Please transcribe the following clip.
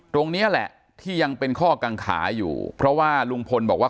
ตรงนี้แหละที่ยังเป็นข้อกังขาอยู่เพราะว่าลุงพลบอกว่า